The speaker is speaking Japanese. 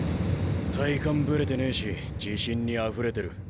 体幹ブレてねえし自信にあふれてる。